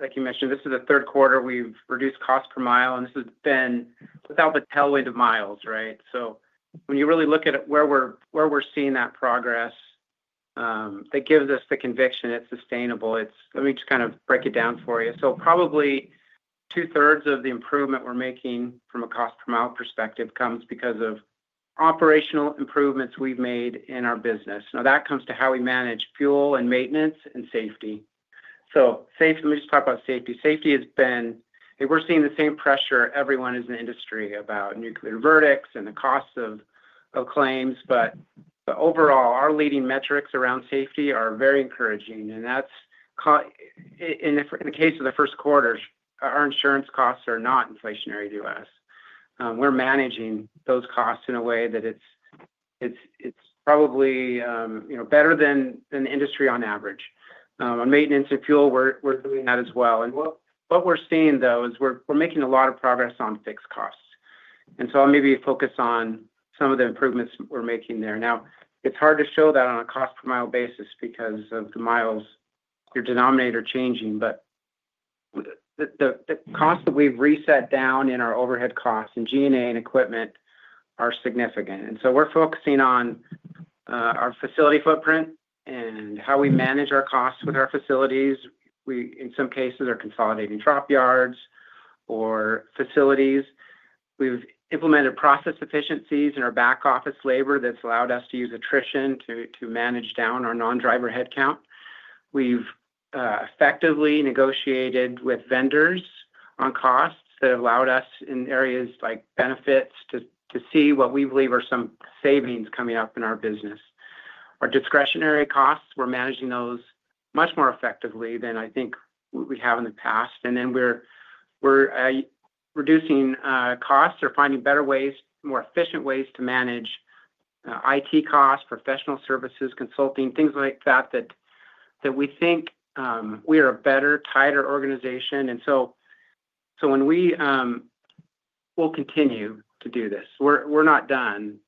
Like you mentioned, this is the third quarter we've reduced cost per mile, and this has been without the tailwind of miles, right? When you really look at where we're seeing that progress, that gives us the conviction it's sustainable. Let me just kind of break it down for you. Probably two-thirds of the improvement we're making from a cost per mile perspective comes because of operational improvements we've made in our business. That comes to how we manage fuel and maintenance and safety. Let me just talk about safety. Safety has been—we're seeing the same pressure everyone in the industry about nuclear verdicts and the cost of claims. Overall, our leading metrics around safety are very encouraging. In the case of the first quarter, our insurance costs are not inflationary to us. We're managing those costs in a way that it's probably better than the industry on average. On maintenance and fuel, we're doing that as well. What we're seeing, though, is we're making a lot of progress on fixed costs. I'll maybe focus on some of the improvements we're making there. Now, it's hard to show that on a cost per mile basis because of the miles, your denominator changing. The cost that we've reset down in our overhead costs and G&A and equipment are significant. We're focusing on our facility footprint and how we manage our costs with our facilities. In some cases, we're consolidating drop yards or facilities. We've implemented process efficiencies in our back office labor that's allowed us to use attrition to manage down our non-driver headcount. We've effectively negotiated with vendors on costs that have allowed us in areas like benefits to see what we believe are some savings coming up in our business. Our discretionary costs, we're managing those much more effectively than I think we have in the past. We are reducing costs or finding better ways, more efficient ways to manage IT costs, professional services, consulting, things like that, that we think we are a better, tighter organization. We will continue to do this. We're not done.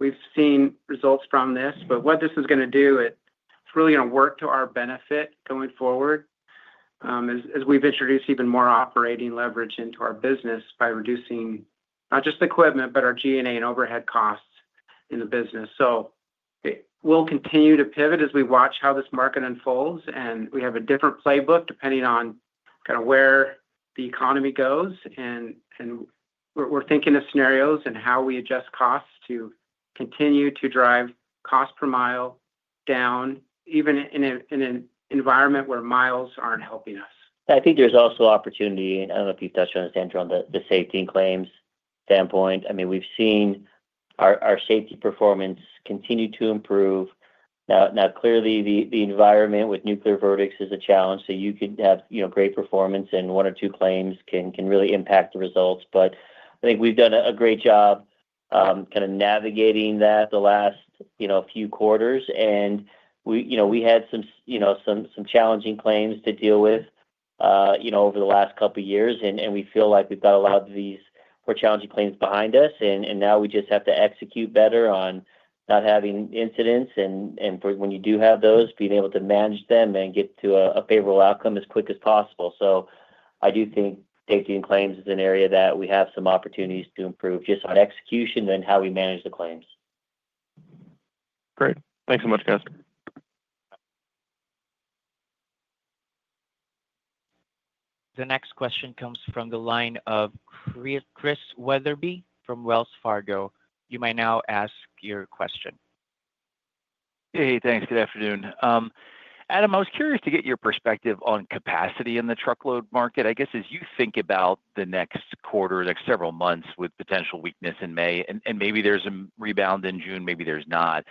We've seen results from this. What this is going to do, it's really going to work to our benefit going forward as we've introduced even more operating leverage into our business by reducing not just equipment, but our G&A and overhead costs in the business. We'll continue to pivot as we watch how this market unfolds. We have a different playbook depending on kind of where the economy goes. We are thinking of scenarios and how we adjust costs to continue to drive cost per mile down even in an environment where miles are not helping us. I think there's also opportunity. I don't know if you've touched on this, Andrew, on the safety and claims standpoint. I mean, we've seen our safety performance continue to improve. Now, clearly, the environment with nuclear verdicts is a challenge. You could have great performance, and one or two claims can really impact the results. I think we've done a great job kind of navigating that the last few quarters. We had some challenging claims to deal with over the last couple of years. We feel like we've got a lot of these more challenging claims behind us. Now we just have to execute better on not having incidents. When you do have those, being able to manage them and get to a favorable outcome as quick as possible. I do think safety and claims is an area that we have some opportunities to improve just on execution and how we manage the claims. Great. Thanks so much, guys. The next question comes from the line of Chris Wetherbee from Wells Fargo. You may now ask your question. Hey, thanks. Good afternoon. Adam, I was curious to get your perspective on capacity in the truckload market, I guess, as you think about the next quarter, the next several months with potential weakness in May. Maybe there is a rebound in June, maybe there is not.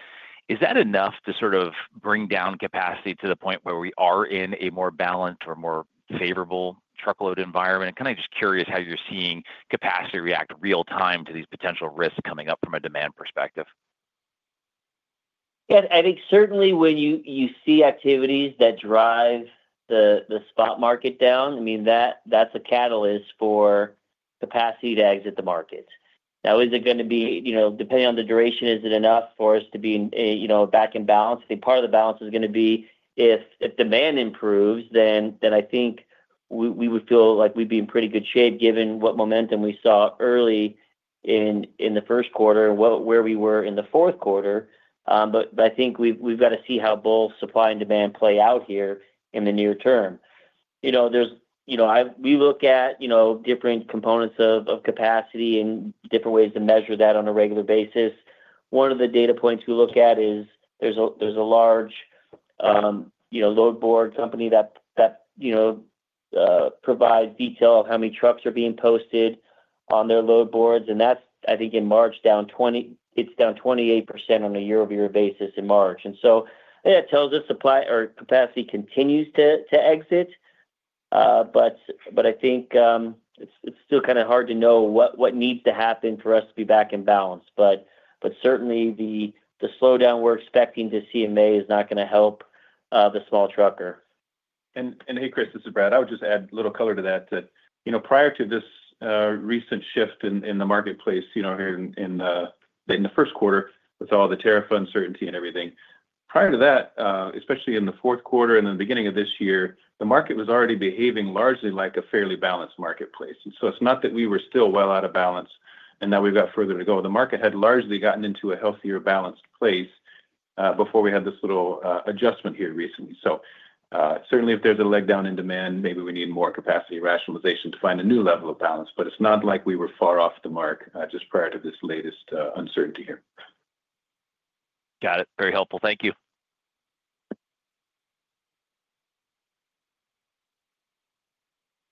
Is that enough to sort of bring down capacity to the point where we are in a more balanced or more favorable truckload environment? I am kind of just curious how you are seeing capacity react real-time to these potential risks coming up from a demand perspective. Yeah. I think certainly when you see activities that drive the spot market down, I mean, that's a catalyst for capacity to exit the markets. Now, is it going to be depending on the duration, is it enough for us to be back in balance? I think part of the balance is going to be if demand improves, then I think we would feel like we'd be in pretty good shape given what momentum we saw early in the first quarter and where we were in the fourth quarter. I think we've got to see how both supply and demand play out here in the near term. We look at different components of capacity and different ways to measure that on a regular basis. One of the data points we look at is there's a large load board company that provides detail of how many trucks are being posted on their load boards. I think in March, it's down 28% on a year-over-year basis in March. That tells us supply or capacity continues to exit. I think it's still kind of hard to know what needs to happen for us to be back in balance. Certainly, the slowdown we're expecting to see in May is not going to help the small trucker. Hey, Chris, this is Brad. I would just add a little color to that. Prior to this recent shift in the marketplace here in the first quarter with all the tariff uncertainty and everything, prior to that, especially in the fourth quarter and in the beginning of this year, the market was already behaving largely like a fairly balanced marketplace. It is not that we were still well out of balance and that we have got further to go. The market had largely gotten into a healthier balanced place before we had this little adjustment here recently. Certainly, if there is a leg down in demand, maybe we need more capacity rationalization to find a new level of balance. It is not like we were far off the mark just prior to this latest uncertainty here. Got it. Very helpful. Thank you.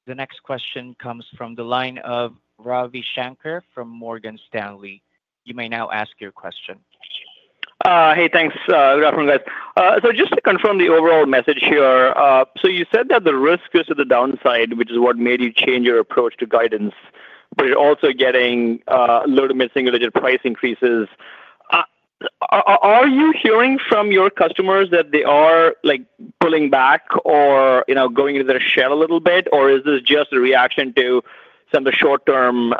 The next question comes from the line of Ravi Shanker from Morgan Stanley. You may now ask your question. Hey, thanks. Good afternoon, guys. Just to confirm the overall message here, you said that the risk is to the downside, which is what made you change your approach to guidance, but you're also getting load-limiting related price increases. Are you hearing from your customers that they are pulling back or going into their shell a little bit, or is this just a reaction to some of the short-term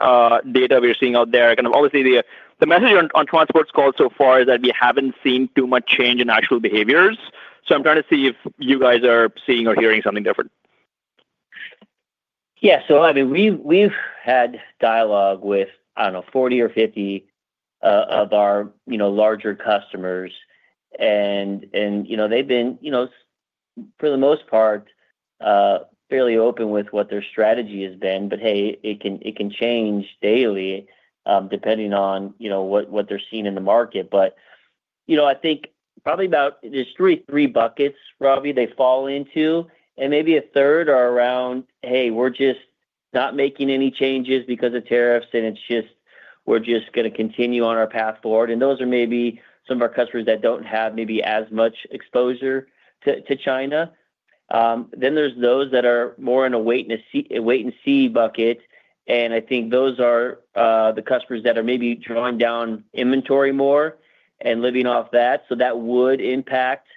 data we're seeing out there? Obviously, the message on transports calls so far is that we haven't seen too much change in actual behaviors. I'm trying to see if you guys are seeing or hearing something different. Yeah. I mean, we've had dialogue with, I don't know, 40 or 50 of our larger customers. They've been, for the most part, fairly open with what their strategy has been. It can change daily depending on what they're seeing in the market. I think probably about there's three buckets, probably, they fall into. Maybe a third are around, "Hey, we're just not making any changes because of tariffs, and we're just going to continue on our path forward." Those are maybe some of our customers that don't have maybe as much exposure to China. Then there's those that are more in a wait-and-see bucket. I think those are the customers that are maybe drawing down inventory more and living off that. That would impact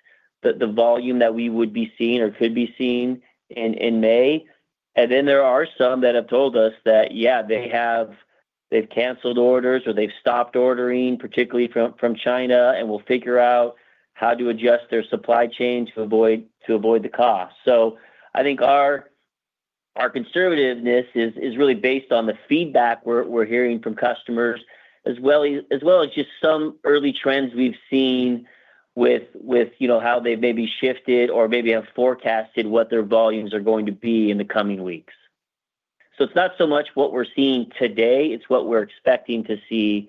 the volume that we would be seeing or could be seeing in May. There are some that have told us that, yeah, they've canceled orders or they've stopped ordering, particularly from China, and will figure out how to adjust their supply chain to avoid the cost. I think our conservativeness is really based on the feedback we're hearing from customers, as well as just some early trends we've seen with how they've maybe shifted or maybe have forecasted what their volumes are going to be in the coming weeks. It's not so much what we're seeing today. It's what we're expecting to see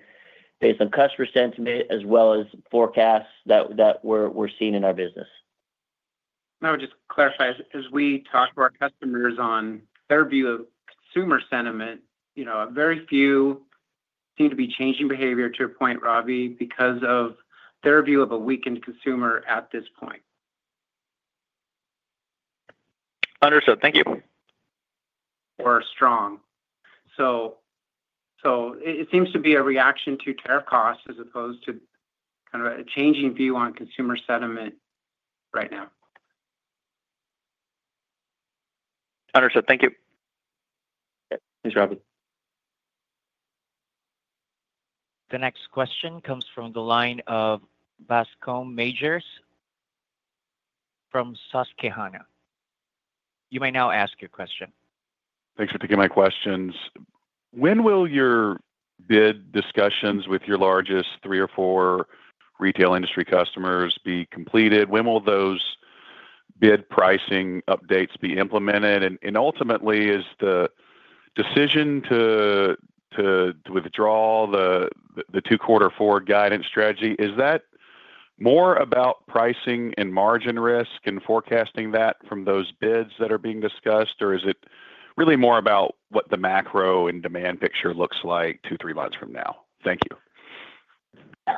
based on customer sentiment, as well as forecasts that we're seeing in our business. I would just clarify, as we talk to our customers on their view of consumer sentiment, very few seem to be changing behavior to a point, Ravi, because of their view of a weakened consumer at this point. Understood. Thank you. Strong. It seems to be a reaction to tariff costs as opposed to kind of a changing view on consumer sentiment right now. Understood. Thank you. Thanks, Ravi. The next question comes from the line of Bascom Majors from Susquehanna. You may now ask your question. Thanks for picking my questions. When will your bid discussions with your largest three or four retail industry customers be completed? When will those bid pricing updates be implemented? Ultimately, is the decision to withdraw the two-quarter forward guidance strategy, is that more about pricing and margin risk and forecasting that from those bids that are being discussed, or is it really more about what the macro and demand picture looks like two, three months from now? Thank you.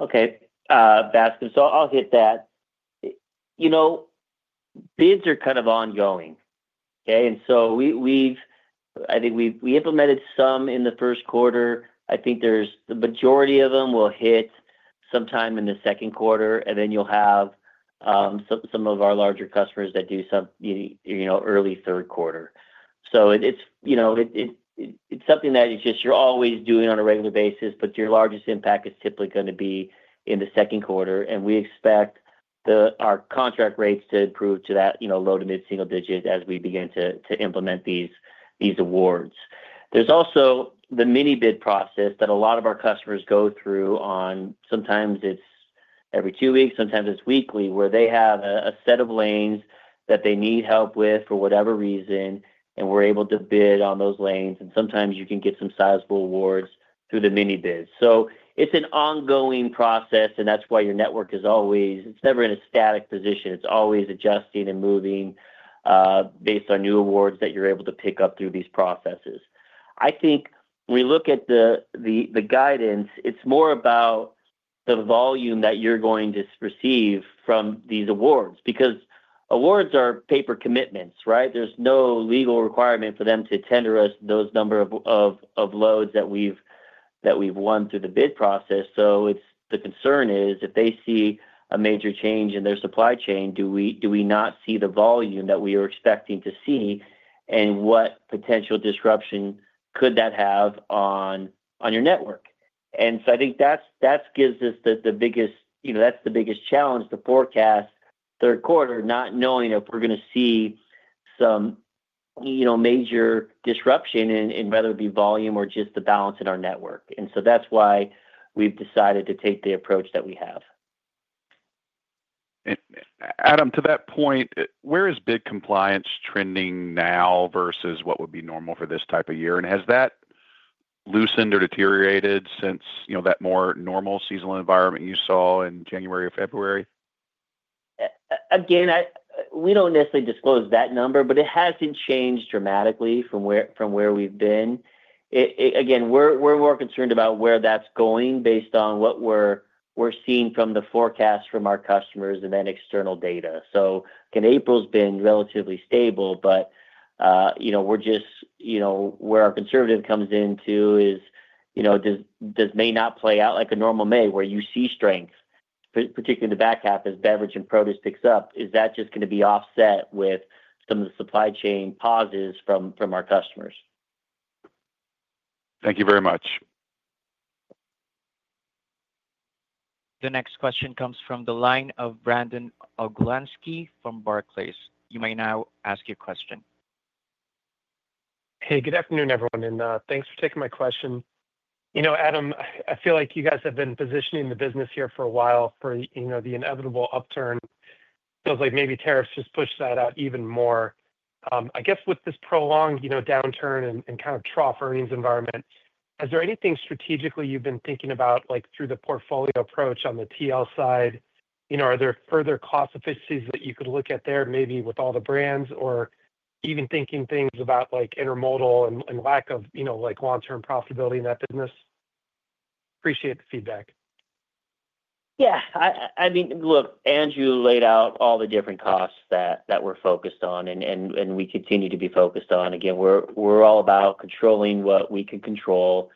Okay. Bascom, so I'll hit that. Bids are kind of ongoing. Okay? I think we implemented some in the first quarter. I think the majority of them will hit sometime in the second quarter. You will have some of our larger customers that do some early third quarter. It is something that you are always doing on a regular basis, but your largest impact is typically going to be in the second quarter. We expect our contract rates to improve to that low to mid-single digit as we begin to implement these awards. There is also the mini-bid process that a lot of our customers go through on. Sometimes it is every two weeks. Sometimes it is weekly, where they have a set of lanes that they need help with for whatever reason, and we are able to bid on those lanes. Sometimes you can get some sizable awards through the mini-bids. It is an ongoing process, and that is why your network is always, it is never in a static position. It is always adjusting and moving based on new awards that you are able to pick up through these processes. I think when we look at the guidance, it is more about the volume that you are going to receive from these awards because awards are paper commitments, right? There is no legal requirement for them to tender us those number of loads that we have won through the bid process. The concern is if they see a major change in their supply chain, do we not see the volume that we are expecting to see? What potential disruption could that have on your network? I think that gives us the biggest, that's the biggest challenge, the forecast third quarter, not knowing if we're going to see some major disruption in whether it be volume or just the balance in our network. That is why we've decided to take the approach that we have. Adam, to that point, where is bid compliance trending now versus what would be normal for this type of year? Has that loosened or deteriorated since that more normal seasonal environment you saw in January or February? Again, we do not necessarily disclose that number, but it has not changed dramatically from where we have been. Again, we are more concerned about where that is going based on what we are seeing from the forecast from our customers and then external data. Again, April has been relatively stable, but where our conservative comes into is does May not play out like a normal May where you see strength, particularly in the back half as beverage and produce picks up? Is that just going to be offset with some of the supply chain pauses from our customers? Thank you very much. The next question comes from the line of Brandon Oglensky from Barclays. You may now ask your question. Hey, good afternoon, everyone. Thanks for taking my question. Adam, I feel like you guys have been positioning the business here for a while for the inevitable upturn. Feels like maybe tariffs just pushed that out even more. I guess with this prolonged downturn and kind of trough or ease environment, is there anything strategically you've been thinking about through the portfolio approach on the TL side? Are there further cost efficiencies that you could look at there, maybe with all the brands or even thinking things about intermodal and lack of long-term profitability in that business? Appreciate the feedback. Yeah. I mean, look, Andrew laid out all the different costs that we're focused on and we continue to be focused on. Again, we're all about controlling what we can control.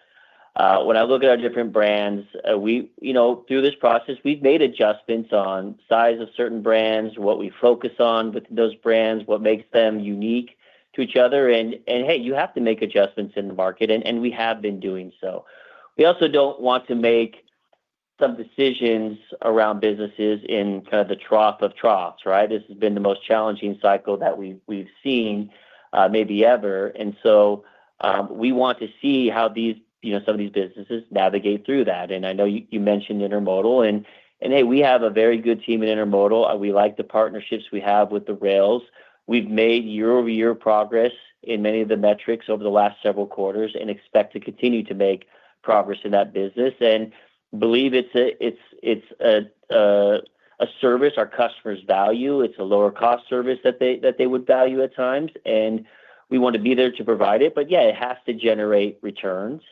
When I look at our different brands, through this process, we've made adjustments on size of certain brands, what we focus on with those brands, what makes them unique to each other. Hey, you have to make adjustments in the market, and we have been doing so. We also do not want to make some decisions around businesses in kind of the trough of troughs, right? This has been the most challenging cycle that we've seen maybe ever. We want to see how some of these businesses navigate through that. I know you mentioned intermodal. Hey, we have a very good team in intermodal. We like the partnerships we have with the rails. We've made year-over-year progress in many of the metrics over the last several quarters and expect to continue to make progress in that business. We believe it's a service our customers value. It's a lower-cost service that they would value at times. We want to be there to provide it. It has to generate returns.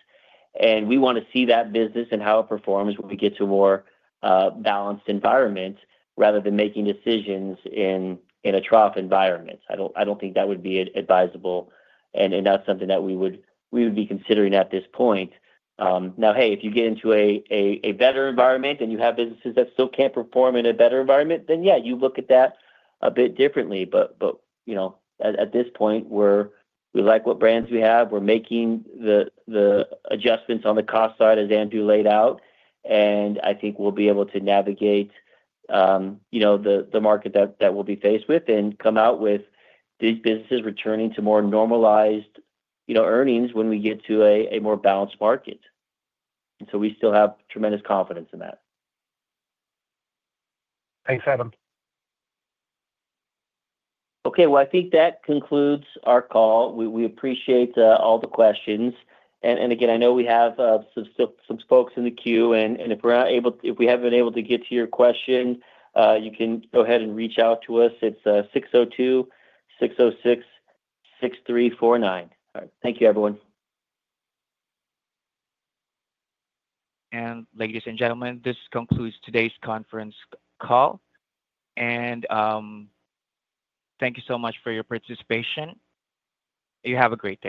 We want to see that business and how it performs when we get to a more balanced environment rather than making decisions in a trough environment. I don't think that would be advisable and not something that we would be considering at this point. If you get into a better environment and you have businesses that still can't perform in a better environment, then you look at that a bit differently. At this point, we like what brands we have. We're making the adjustments on the cost side, as Andrew laid out. I think we'll be able to navigate the market that we'll be faced with and come out with these businesses returning to more normalized earnings when we get to a more balanced market. We still have tremendous confidence in that. Thanks, Adam. Okay. I think that concludes our call. We appreciate all the questions. Again, I know we have some folks in the queue. If we have not been able to get to your question, you can go ahead and reach out to us. It is 602-606-6349. All right. Thank you, everyone. Ladies and gentlemen, this concludes today's conference call. Thank you so much for your participation. You have a great day.